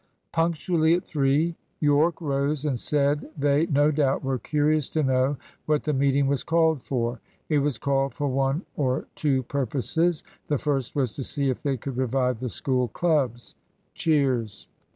Punctually at three, Yorke rose and said they no doubt were curious to know what the meeting was called for. It was called for one or two purposes. The first was to see if they could revive the School clubs. (Cheers.)